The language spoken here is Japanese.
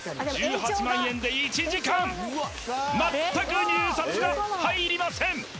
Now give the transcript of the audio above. １８万円で１時間全く入札が入りません